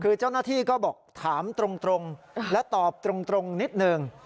คือเจ้าหน้าที่ก็บอกถามตรงและตอบตรงนิดนึง